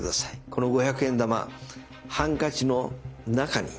この五百円玉ハンカチの中に。